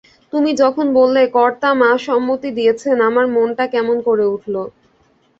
তুমি যখন বললে কর্তা-মা সম্মতি দিয়েছেন, আমার মনটা কেমন করে উঠল।